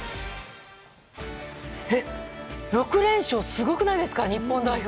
６連勝、すごくないですか日本代表。